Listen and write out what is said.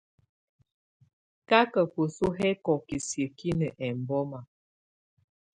Káká bǝ́su hɛ́kɔ́kɛ́ siǝ́kinǝ́ ɛmbɔ́ma.